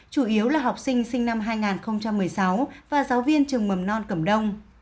chủ yếu là học sinh sinh năm hai nghìn một mươi sáu và giáo viên trường mầm non cầm đông